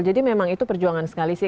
jadi memang itu perjuangan sekali sih